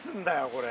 これ。